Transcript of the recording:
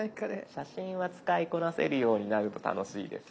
写真は使いこなせるようになると楽しいです。